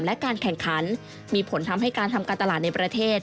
และการแข่งขันมีผลทำให้การทำการตลาดในประเทศ